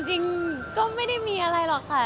จริงก็ไม่ได้มีอะไรหรอกค่ะ